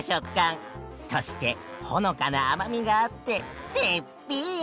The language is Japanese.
そしてほのかな甘みがあって絶品！